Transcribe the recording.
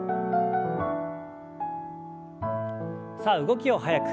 さあ動きを速く。